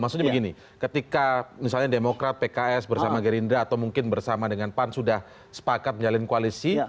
maksudnya begini ketika misalnya demokrat pks bersama gerindra atau mungkin bersama dengan pan sudah sepakat menjalin koalisi